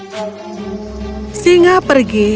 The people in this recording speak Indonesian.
singa pergi dan menuju sebuah gua yang menjauh